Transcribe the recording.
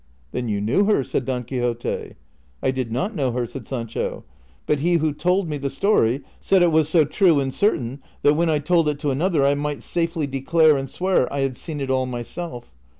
'' Then you knew her ?" said Don Quixote. " I did not know her, " said Sancho, "• but he who told me the story said it was so true and certain that when I told it to another I might safely declare and swear I had seen it all my self.